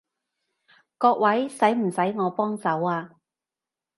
各位，使唔使我幫手啊？